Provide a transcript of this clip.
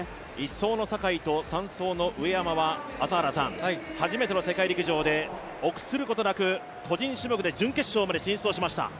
１走の坂井と３走の上山は初めての世界陸上で臆することなく個人種目で準決勝まで進出をしました。